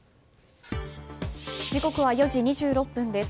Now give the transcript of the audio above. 時刻は４時２６分です。